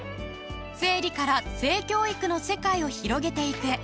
生理から性教育の世界を広げていく